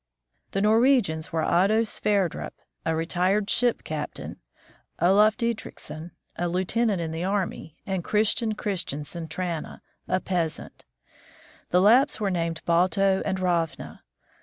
The Norwegians were Otto Sverdrup, a retired ship captain, Oluf Dietrichson, a lieutenant in the army, and Kristian Kristiansen Trana, a peasant. The Lapps were named Balto and Ravna.